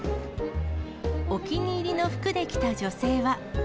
お気に入りの服で来た女性は。